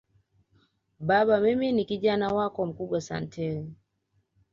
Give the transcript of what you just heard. Baba mimi ni Kijana wako mkubwa Santeu